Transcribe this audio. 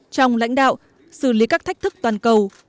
trong lãnh đạo xử lý các thách thức toàn cầu